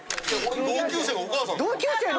同級生のお母さん？